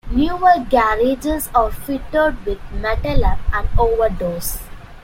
Newer garages are fitted with metal up-and-over doors.